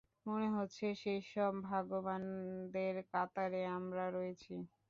মনে হচ্ছে, সেইসব ভাগ্যবানদের কাতারে আমরা রয়েছি!